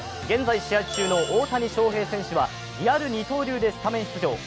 現在試合中の大谷翔平選手はリアル二刀流でスタメン出場。